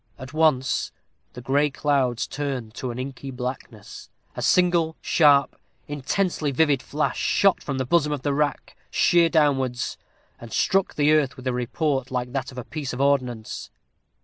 At once the gray clouds turned to an inky blackness. A single, sharp, intensely vivid flash, shot from the bosom of the rack, sheer downwards, and struck the earth with a report like that of a piece of ordnance.